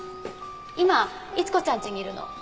今逸子ちゃんちにいるの。